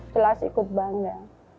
jelas ikut bangga